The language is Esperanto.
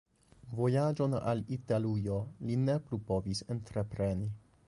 Vojaĝon al Italujo li ne plu povis entrepreni.